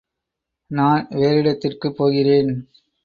நான் வேறிடத்திற்குப் போகிறேன்.